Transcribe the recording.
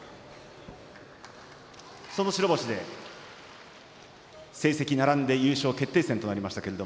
その白星で成績並んで優勝決定戦となりました。